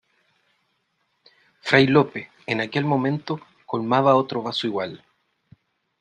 fray Lope , en aquel momento , colmaba otro vaso igual :